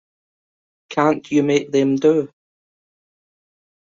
Can't you make them do?